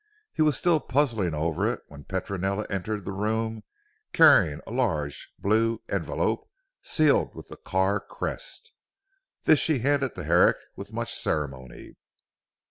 He was still puzzling over it when Petronella entered the room carrying a large blue envelope, sealed with the Carr crest. This she handed to Herrick with much ceremony.